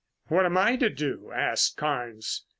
"What am I to do?" asked Carnes.